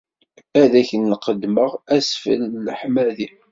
Ad ak-n-qeddmeɣ asfel n leḥmadi.